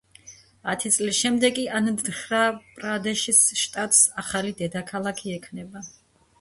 ათი წლის შემდეგ კი ანდჰრა-პრადეშის შტატს ახალი დედაქალაქი ექნება.